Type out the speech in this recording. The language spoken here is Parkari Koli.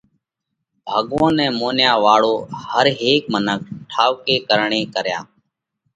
ڀڳوونَ نئہ مونيا واۯو هر هيڪ منک ٺائُوڪي ڪرڻي ڪريا